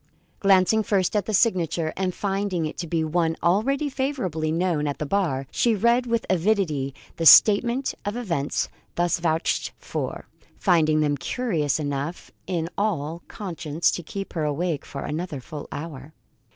Glancing first at the signature and finding it to be one already favourably known at the bar, she read with avidity the statement of events thus vouched for, finding them curious enough in all conscience to keep her awake for another full hour.